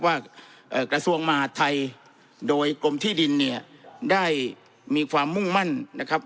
กระทรวงมหาดไทยโดยกรมที่ดินเนี่ยได้มีความมุ่งมั่นนะครับ